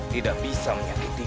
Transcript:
tidak bisa menyakitimu